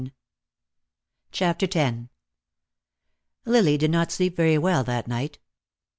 CHAPTER X Lily did not sleep very well that night.